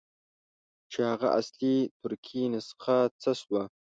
چې هغه اصلي ترکي نسخه څه شوه.